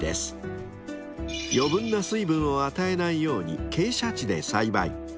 ［余分な水分を与えないように傾斜地で栽培］